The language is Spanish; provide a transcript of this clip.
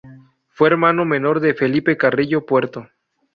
Fue hermano menor de Felipe Carrillo Puerto.